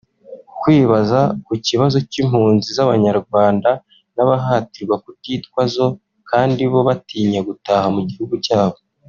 Kwibaza ku kibazo cy’impunzi z’abanyarwanda n’abahatirwa kutitwa zo kandi bo batinya gutaha mu gihugu cyabo